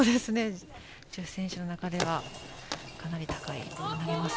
女子選手の中ではかなり高いボールになります。